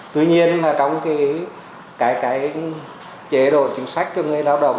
tuy nhiên trong cái chế độ chính sách cho người lao động